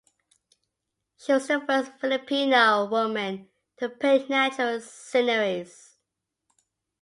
She was the first Filipino woman to paint natural sceneries.